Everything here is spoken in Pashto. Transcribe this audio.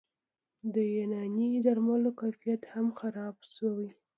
د یوناني درملو کیفیت هم خراب شوی